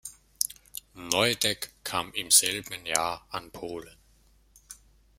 Neudeck kam im selben Jahr an Polen.